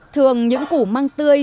thường những củ măng tươi